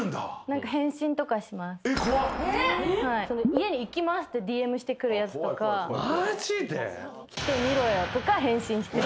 「家に行きます！」ってＤＭしてくるやつとか来てみろよ！とか返信して。